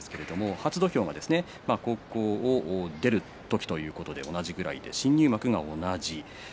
初土俵が高校を出る時という時で同じくらい新入幕が同じ。